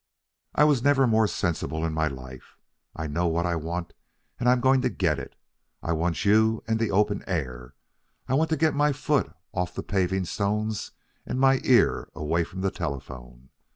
"I was never more sensible in my life. I know what I want, and I'm going to get it. I want you and the open air. I want to get my foot off the paving stones and my ear away from the telephone.